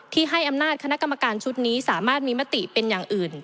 ให้อำนาจคณะกรรมการชุดนี้สามารถมีมติเป็นอย่างอื่น